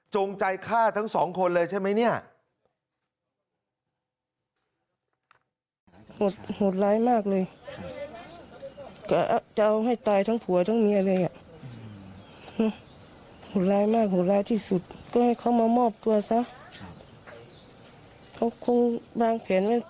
ใจฆ่าทั้งสองคนเลยใช่ไหมเนี่ย